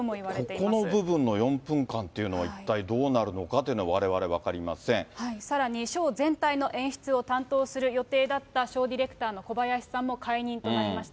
ここの部分の４分間っていうのは一体、どうなるのかというのさらに、ショー全体の演出を担当する予定だった、ショーディレクターの小林さんも解任となりました。